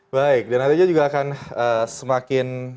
baik dan nanti dia juga akan semakin